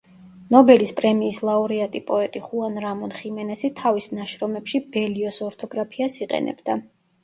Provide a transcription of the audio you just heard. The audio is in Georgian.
ნობელის პრემიის ლაურეატი პოეტი ხუან რამონ ხიმენესი თავის ნაშრომებში ბელიოს ორთოგრაფიას იყენებდა.